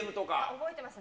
覚えてます。